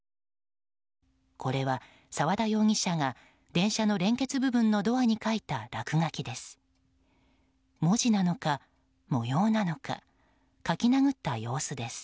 これは、沢田容疑者が電車の連結部分のドアに書いた落書きです。